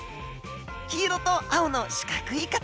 黄色と青の四角い形。